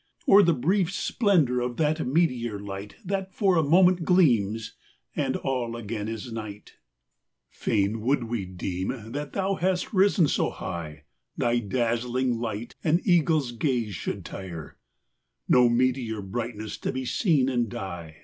Or the brief splendour of that meteor light That for a moment gleams, and all again is night ? VI. Fain would we deem that thou hast risen so high Thy dazzling light an eagle's gaze should tire ; No meteor brightness to be seen and die.